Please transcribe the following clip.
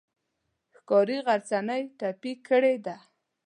ښکاري غرڅنۍ ټپي کړې ده.